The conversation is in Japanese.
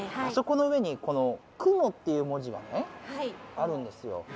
あそこの上にこの雲っていう文字がねあるんですよ